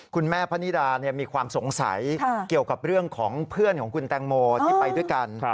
คุณแม่พนิดามีความสงสัยเกี่ยวกับเรื่องของเพื่อนของคุณแตงโมที่ไปด้วยกัน